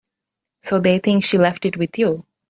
So they think she left it with you.